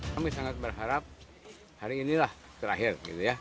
kami sangat berharap hari inilah terakhir